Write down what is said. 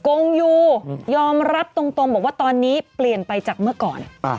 กงยูยอมรับตรงบอกว่าตอนนี้เปลี่ยนไปจากเมื่อก่อน